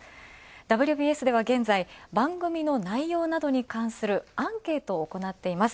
「ＷＢＳ」では現在、番組の内容に関するアンケートをおこなっています。